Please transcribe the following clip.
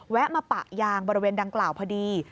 มาปะยางบริเวณดังกล่าวพอดี